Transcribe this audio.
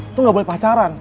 itu gak boleh pacaran